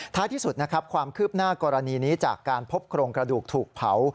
ที่สุดนะครับความคืบหน้ากรณีนี้จากการพบโครงกระดูกถูกเผา